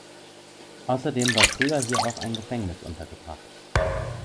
Außerdem war früher hier auch ein Gefängnis untergebracht.